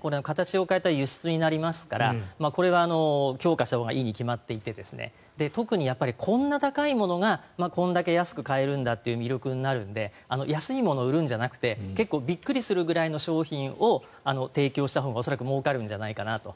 これは形を変えた輸出になりますからこれは強化したほうがいいに決まっていて特にこんな高いものがこれだけ安く買えるんだという魅力になるので安いものを売るんじゃなくて結構びっくりするぐらいの商品を提供したほうが恐らくもうかるんじゃないかなと。